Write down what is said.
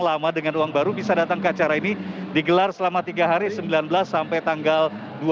lama dengan uang baru bisa datang ke acara ini digelar selama tiga hari sembilan belas sampai tanggal